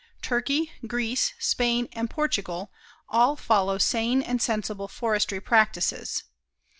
Turkey, Greece, Spain and Portugal, all follow sane and sensible forestry practices.